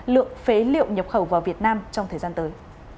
lượng phế liệu nhập khẩu vào việt nam trong thời gian tới